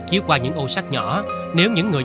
chiếu qua những ô sát nhỏ nếu những người